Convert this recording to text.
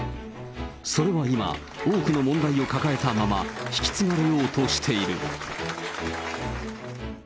それは今、多くの問題を抱えたまま、引き継がれようとしている。